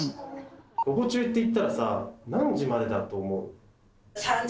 午後中って言ったらさ何時までだと思う？